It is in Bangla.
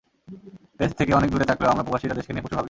দেশ থেকে অনেক দূরে থাকলেও আমরা প্রবাসীরা দেশকে নিয়ে প্রচুর ভাবি।